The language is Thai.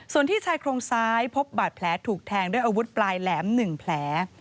ส่วนที่ชายโครงซ้ายพบบาดแผลถูกแทงด้วยอาวุธปลายแหลม๑แผล